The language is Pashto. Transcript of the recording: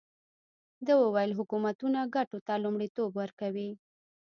ده وویل حکومتونه ګټو ته لومړیتوب ورکوي.